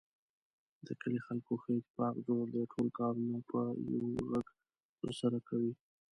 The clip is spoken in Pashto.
د کلي خلکو ښه اتفاق جوړ دی. ټول کارونه په یوه غږ ترسره کوي.